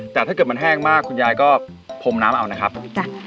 แต่ถ้าเกิดมันแห้งมากคุณยายก็พรมน้ำเอานะครับ